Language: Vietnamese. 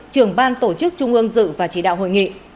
trưởng ban tổ chức trung ương dự và chỉ đạo hội nghị